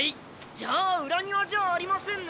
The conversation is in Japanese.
じゃあ裏庭じゃありませんね。